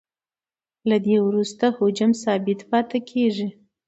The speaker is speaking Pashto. له دې وروسته حجم ثابت پاتې کیږي